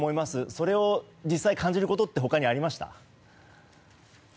それを実際に感じることって他にありました？